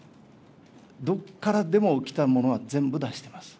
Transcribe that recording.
どっからでも、来たものは全部出してます。